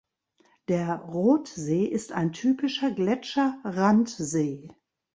Der Rotsee ist ein typischer Gletscherrandsee.